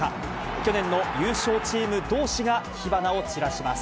去年の優勝チームどうしが火花を散らします。